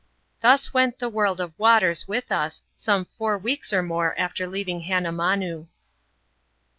Thus went the world of waters with us, some four weeks or more after leaving Hannamanoo.